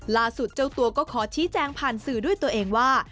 เจ้าตัวก็ขอชี้แจงผ่านสื่อด้วยตัวเองว่า